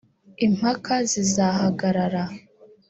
impaka zizahagarara